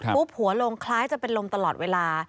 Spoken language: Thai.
หัวลงคล้ายจะเป็นลมตลอดเวลา